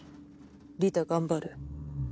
リタ頑張る。